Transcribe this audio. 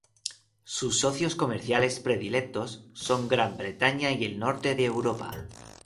Sus socios comerciales predilectos son Gran Bretaña y el Norte de Europa.